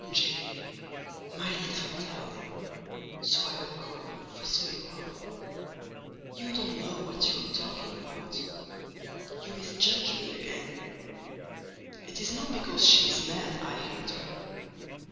"Jane, my little darling (so I will call you, for so you are), you don't know what you are talking about; you misjudge me again: it is not because she is mad I hate her.